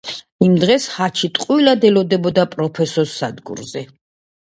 იმ დღეს ჰაჩი ტყუილად ელოდებოდა პროფესორს სადგურზე.